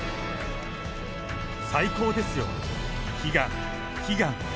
最高ですよ、悲願、悲願。